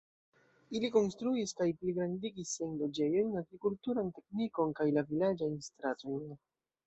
Ili konstruis kaj pligrandigis siajn loĝejojn, agrikulturan teknikon kaj la vilaĝajn stratojn.